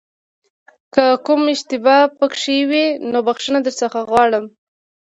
که کومه اشتباه پکې وي نو بښنه درڅخه غواړم.